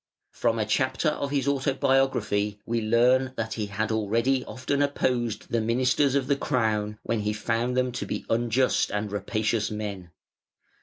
From a chapter of his autobiography we learn that he had already often opposed the ministers of the crown when he found them to be unjust and rapacious men.